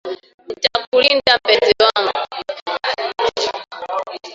Ntakulinda mpenzi wangu.